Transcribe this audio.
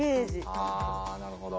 あなるほど。